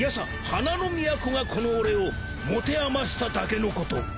花の都がこの俺を持て余しただけのこと。